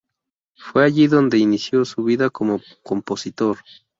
Fue allí, donde inició, su vida como compositor.